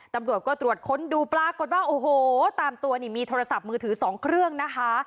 ตำรวจก็ตรวจค้นดูปรากฏว่าโอ้โหตามตัวนี่มีโทรศัพท์มือถือ๒เครื่องนะคะ